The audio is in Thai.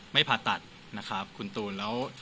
ผ่าตัดนะครับคุณตูนแล้ว